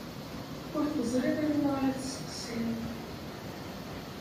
Ur teẓriḍ anwa ara tesseqsiḍ.